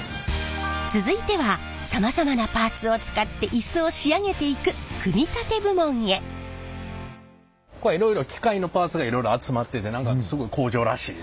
続いてはさまざまなパーツを使ってイスを仕上げていくここはいろいろ機械のパーツがいろいろ集まってて何かすごい工場らしい。